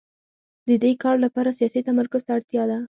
د دې کار لپاره سیاسي تمرکز ته اړتیا ده